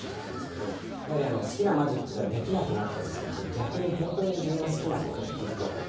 やはり好きなマジックができなくなったりすると逆に本当に自分が好きな事に気付けたというか。